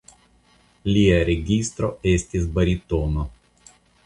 Lia registro estas baritono.